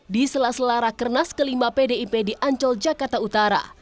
di sela selara kernas kelima pdi perjuangan di ancol jakarta utara